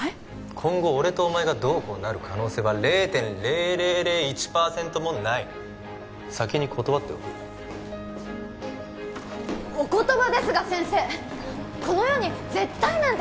今後俺とお前がどうこうなる可能性は０．０００１％もない先に断っておくお言葉ですが先生この世に絶対なんて